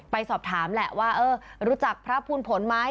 ไปสอบถามแหละว่าเออรู้จักพระภูมิผลไหม